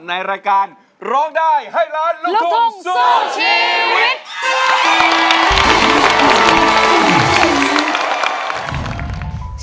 ในรายการร้องได้ให้ล้านลูกทุ่งสู้ชีวิต